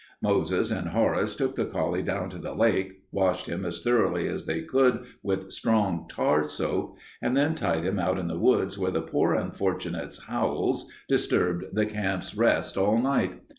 Moses and Horace took the collie down to the lake, washed him as thoroughly as they could with strong tar soap, and then tied him out in the woods where the poor unfortunate's howls disturbed the camp's rest all night.